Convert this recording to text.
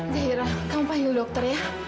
zahira kamu pahamin dokter ya